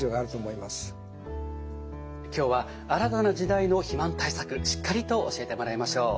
今日は新たな時代の肥満対策しっかりと教えてもらいましょう。